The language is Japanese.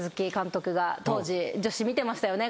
当時女子見てましたよね。